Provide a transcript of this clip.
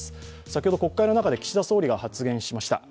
先ほど国会のなかで岸田総理が発言しました。